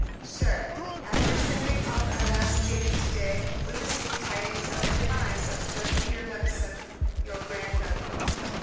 "Sir After sending off our last, dated to day, we received tidings of the demise of Sir Peter Levison, your grand uncle.